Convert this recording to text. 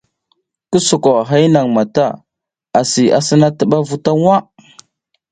Ki soko a hay nang mata asi asina tiba v uta waʼa.